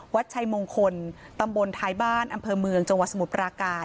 วัดชัยมงคลตำบลท้ายบ้านอำเภอเมืองจังหวัดสมุทรปราการ